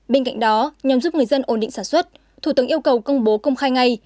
bên cạnh đó nhằm giúp người dân ổn định sản xuất thủ tướng yêu cầu công bố công khai ngay